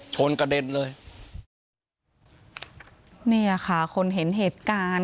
กระเด็นเลยเนี่ยค่ะคนเห็นเหตุการณ์